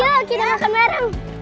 yuk kita makan bareng